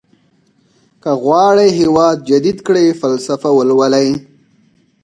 که غواړئ هېواد جديد کړئ فلسفه ولولئ.